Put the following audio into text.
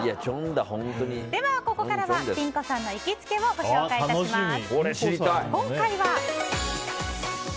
では、ここからはピン子さんの行きつけをご紹介します。